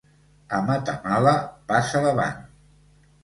A Matamala, passa davant.